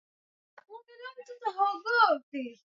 rais Jakaya Kikwete alitangaza mpango wa kubadilisha